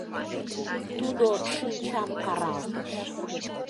Тудо шинчам каралтыш.